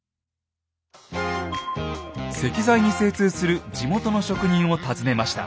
石材に精通する地元の職人を訪ねました。